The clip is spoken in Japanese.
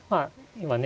今ね